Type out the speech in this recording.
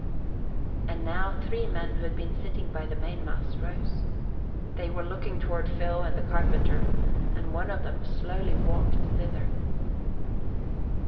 And now three men who had been sitting by the mainmast rose. They were looking toward Phil and the carpenter, and one of them slowly walked thither.